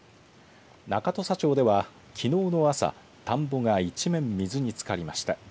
中土佐町では、きのうの朝田んぼが１面水につかりました。